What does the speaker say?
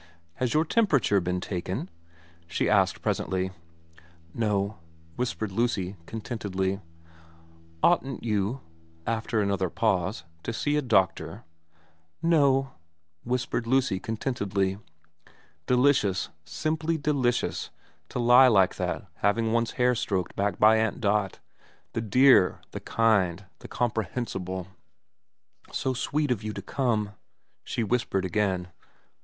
Has your temperature been taken ?' she asked presently. * No,' whispered Lucy contentedly. * Oughtn't you ' after another pause ' to see a doctor ?'' No,' whispered Lucy contentedly. Delicious, simply delicious, to lie like that having one's hair stroked back by Aunt Dot, the dear, the kind, the comprehensible. * So sweet of you to come,' she whispered again.